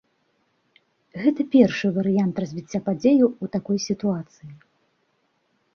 Гэта першы варыянт развіцця падзеяў у такой сітуацыі.